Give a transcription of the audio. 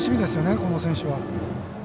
この選手は。